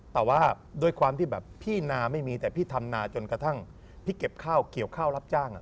แต่ว่าด้วยความที่แบบพี่นาไม่มีแต่พี่ทำนาจนกระทั่งพี่เก็บข้าวเกี่ยวข้าวรับจ้าง